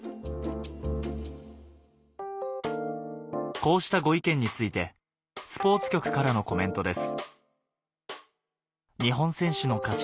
こうしたご意見についてスポーツ局からのコメントです